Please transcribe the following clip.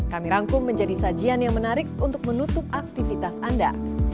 kami rangkum menjadi sajian yang menarik untuk menutup aktivitas anda